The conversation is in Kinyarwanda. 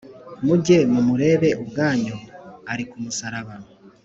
mujye mumurebe ubwanyu, ari ku musaraba.